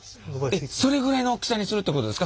それぐらいの大きさにするってことですか？